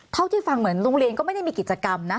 เท่าที่ฟังเหมือนโรงเรียนก็ไม่ได้มีกิจกรรมนะ